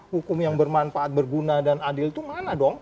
hukum yang bermanfaat berguna dan adil itu mana dong